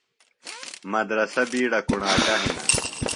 مدرسہ بِیڈہ کُݨاکہ ہِنہ۔